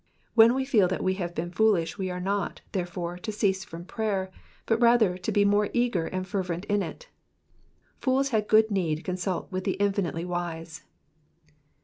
When we feel that we have been foolish we are not, therefore, to cease from prayer, but rather to be more eager and fervent in it. Fools had good need consult with the infinitely wise.